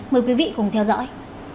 mời quý vị cùng theo dõi